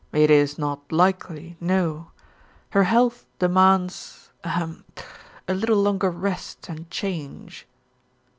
"It is not likely, no. Her health demands ahem a little longer rest and change."